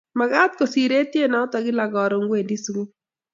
magat kosir etiet notok kila karon kwendi sukul